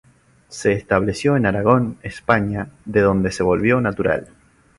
Se estableció en Aragón, España, de donde se volvió natural.